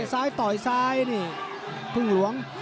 ซ้ายต่อยซ้ายนี่พึ่งหลวง